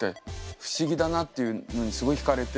不思議だなっていうのにすごい引かれて。